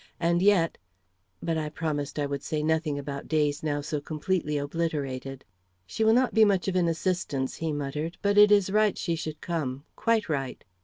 And yet But I promised I would say nothing about days now so completely obliterated. "She will not be much of an assistance," he muttered. "But it is right she should come quite right."